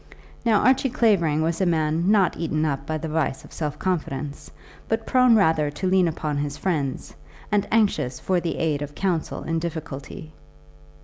Now Archie Clavering was a man not eaten up by the vice of self confidence, but prone rather to lean upon his friends and anxious for the aid of counsel in difficulty.